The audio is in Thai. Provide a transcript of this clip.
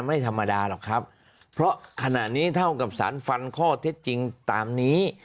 ไม่ธรรมดาหรอกครับเพราะขณะนี้เท่ากับสารฟันข้อเท็จจริงตามนี้